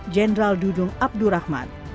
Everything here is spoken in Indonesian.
jenderal dudung abdurrahman